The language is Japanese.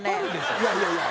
いやいやいや！